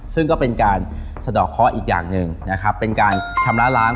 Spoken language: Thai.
ซึ่งก็เป็นการสะดอกเคาะอีกอย่างหนึ่งนะครับเป็นการชำระล้าง